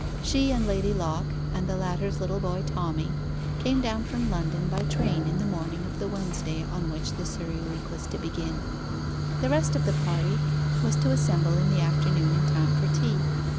She and Lady Locke, and the latter's little boy Tommy, came down from London by train in the morning of the Wednesday on which the Surrey week was to begin. The rest of the party was to assemble in the afternoon in time for tea.